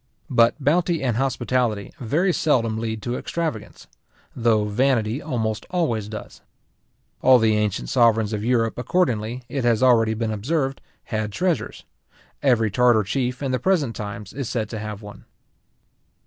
But bounty and hospitality very seldom lead to extravagance; though vanity almost always does. All the ancient sovereigns of Europe, accordingly, it has already been observed, had treasures. Every Tartar chief, in the present times, is said to have one.